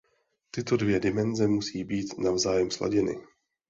Tyto dvě dimenze musí být navzájem sladěny.